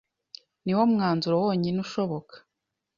Niwo mwanzuro wonyine ushoboka.